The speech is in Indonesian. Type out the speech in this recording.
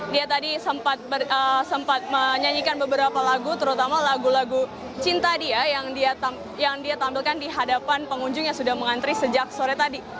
dia tadi sempat menyanyikan beberapa lagu terutama lagu lagu cinta dia yang dia tampilkan di hadapan pengunjung yang sudah mengantri sejak sore tadi